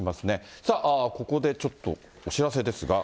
さあ、ここでちょっとお知らせですが。